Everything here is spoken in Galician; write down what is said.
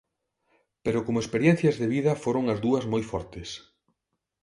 Pero como experiencias de vida foron as dúas moi fortes.